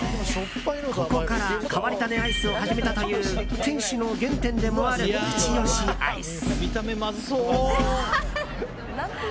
ここから変わり種アイスを始めたという店主の原点でもあるイチ押しアイス。